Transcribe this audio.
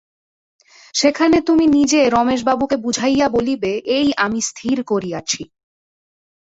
সেখানে তুমি নিজে রমেশবাবুকে বুঝাইয়া বলিবে, এই আমি স্থির করিয়াছি।